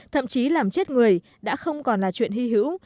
thậm chí làm chết người đã không còn là chuyện hy hữu